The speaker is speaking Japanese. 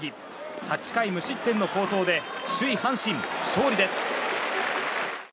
８回無失点の好投で首位、阪神勝利です。